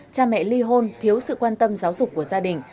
cha mẹ ly hôn thiếu sự quan tâm giáo dục của gia đình